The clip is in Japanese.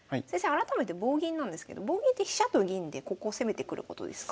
改めて棒銀なんですけど棒銀って飛車と銀でここを攻めてくることですか？